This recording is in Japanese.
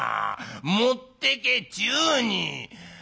持ってけちゅうに！」。